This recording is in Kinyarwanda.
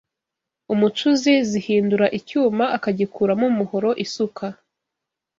umucuzi zihindura icyuma akagikuramo umuhoro, isuka